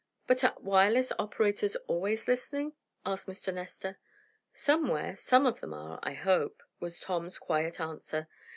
"But are wireless operators always listening?" asked Mr. Nestor. "Somewhere, some of them are I hope," was Tom's quiet answer.